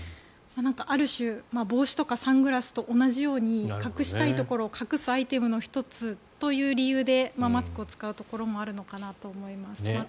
ある種、帽子とかサングラスと同じように隠したいところを隠すアイテムの１つという理由でマスクを使うところもあるのかなと思いますが。